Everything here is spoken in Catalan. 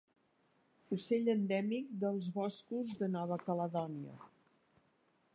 Ocell endèmic dels boscos de Nova Caledònia.